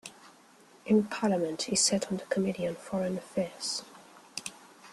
In Parliament, he sat on the Committee on Foreign Affairs.